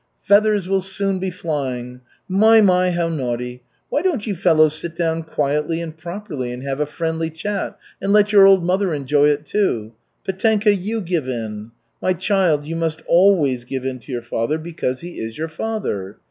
Feathers will soon be flying. My, my, how naughty! Why don't you fellows sit down quietly and properly and have a friendly chat, and let your old mother enjoy it, too? Petenka, you give in. My child, you must always give in to your father, because he is your father.